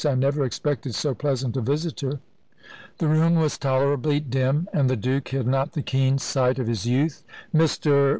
I never expected so pleasant a visitor." The room was tolerably dim, and the Duke had not the keen sight of his youth. "Mr.